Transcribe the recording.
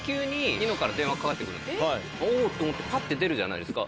と思ってぱって出るじゃないですか。